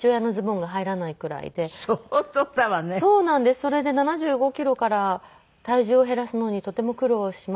それで７５キロから体重を減らすのにとても苦労しましたので。